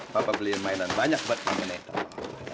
papa beli mainan banyak buat peminat oh